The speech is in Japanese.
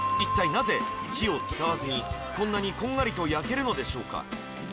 なぜ火を使わずにこんなにこんがりと焼けるのでしょうか？